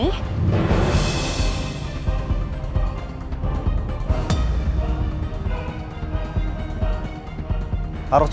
kamu bekerja sama resmi tua